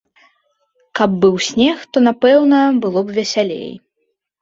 Каб быў снег, то, напэўна, было б весялей.